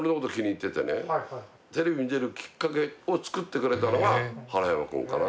テレビに出るきっかけを作ってくれたのが原山くんかな。